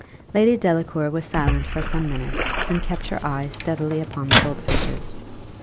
Lady Delacour was silent for some minutes, and kept her eye steadily upon the gold fishes.